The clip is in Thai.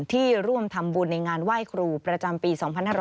ที่ร่วมทำบุญในงานไหว้ครูประจำปี๒๕๖๐